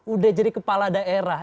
udah jadi kepala daerah